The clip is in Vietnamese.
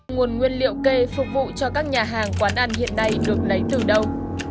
nguồn nguyên liệu kê phục vụ cho các nhà hàng quán ăn hiện nay được lấy từ đâu